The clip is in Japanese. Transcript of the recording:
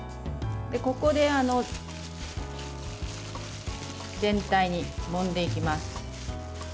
ここで全体にもんでいきます。